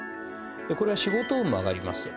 これは仕事運も上がります。